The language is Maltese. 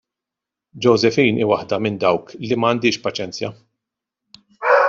Josephine hi waħda minn dawk li m'għandhiex paċenzja!